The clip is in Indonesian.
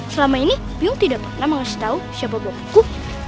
selama ini biung tidak pernah mengasih tau siapa bopoku